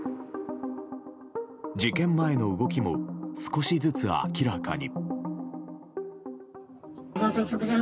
事件前の動きも少しずつ明らかに。